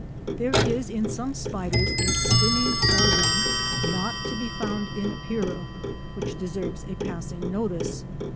There is in some spiders a spinning organ, not to be found in Epeira, which deserves a passing notice.